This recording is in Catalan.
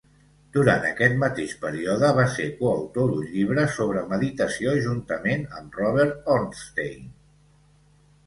Durant aquest mateix període, va ser coautor d'un llibre sobre meditació juntament amb Robert Ornstein.